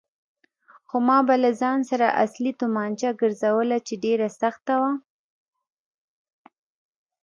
خو ما به له ځان سره اصلي تومانچه ګرځوله چې ډېره سخته وه.